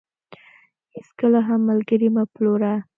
هيچ کله هم ملګري مه پلوره .